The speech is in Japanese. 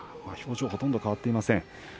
表情ほとんど変わっていません。